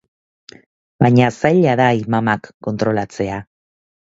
Baina zaila da imamak kontrolatzea.